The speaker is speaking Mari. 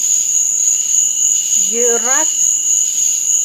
Йӧ... раш!